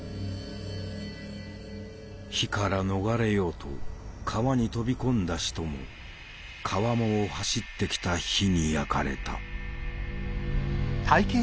火から逃れようと川に飛び込んだ人も川面を走ってきた火に焼かれた。